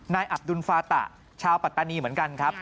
อับดุลฟาตะชาวปัตตานีเหมือนกันครับ